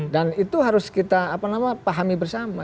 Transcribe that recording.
itu harus kita pahami bersama